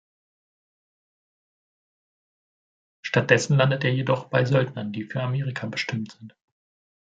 Stattdessen landet er jedoch bei den Söldnern, die für Amerika bestimmt sind.